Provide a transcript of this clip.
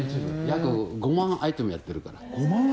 約５万アイテムやってるから。